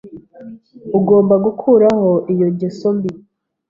Ugomba gukuraho iyo ngeso mbi.